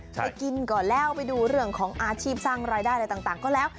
ไปกินก่อนแล้วไปดูเรื่องของอาชีพสร้างรายได้อะไรต่างก็แล้ว